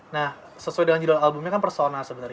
nah sesuai dengan judul albumnya kan personal sebenarnya